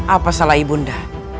apa salah ibu anda